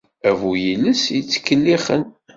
A bu yiles yettkellixen!